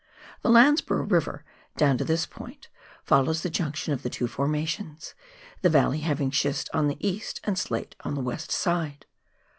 The Landsborough River, down to this point, follows the junction of the two formations, the valley having schist on the east and slate on the west side.